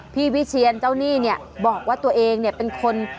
พี่วิเทียนเจ้านี่เนี่ยบอกว่าตัวเองเนี่ยเป็นคน